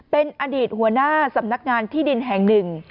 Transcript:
เป็นอดีตหัวหน้าสำนักงานที่ดินแห่งหนึ่ง